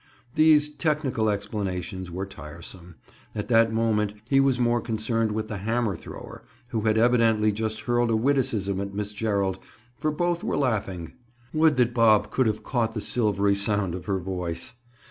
These technical explanations were tiresome. At that moment he was more concerned with the hammer thrower, who had evidently just hurled a witticism at Miss Gerald, for both were laughing. Would that Bob could have caught the silvery sound of her voice!